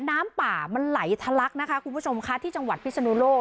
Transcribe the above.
น้ำป่ามันไหลทะลักนะคะคุณผู้ชมค่ะที่จังหวัดพิศนุโลก